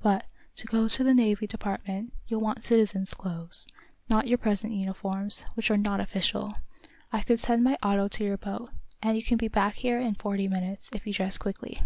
"But, to go to the Navy Department, you'll want citizen's clothes not your present uniforms, which are not official. I can send my auto to your boat, and you can be back here in forty minutes, if you dress quickly."